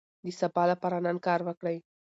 د سبا لپاره نن کار وکړئ.